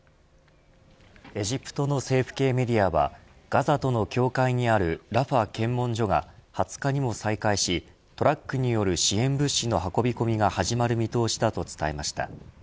エジプトの政府系メディアはガザとの境界にあるラファ検問所が２０日にも再開しトラックによる支援物資の運び込みが始まる見通しだと伝えました。